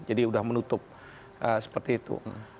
jadi sudah menutup seperti itu